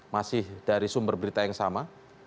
masih dari sumber berita yang sama